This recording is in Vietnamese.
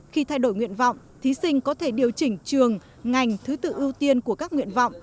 khi thay đổi nguyện vọng thí sinh có thể điều chỉnh trường ngành thứ tự ưu tiên của các nguyện vọng